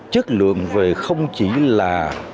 chất lượng về không chỉ là